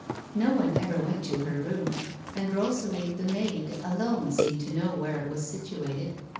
No one ever went to her room, and Rosalie, the maid, alone seemed to know where it was situated.